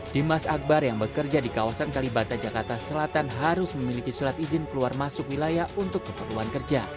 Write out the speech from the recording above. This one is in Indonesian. dimas akbar yang bekerja di kawasan kalibata jakarta selatan harus memiliki surat izin keluar masuk wilayah untuk keperluan kerja